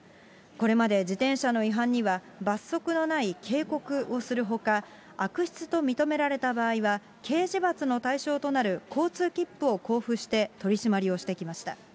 これまで自転車の違反には罰則のない警告をするほか、悪質と認められた場合は、刑事罰の対象となる交通切符を交付して、取締りをしてきました。